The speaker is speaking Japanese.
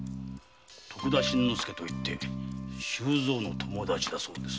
徳田新之助といって周蔵の友だちだそうです。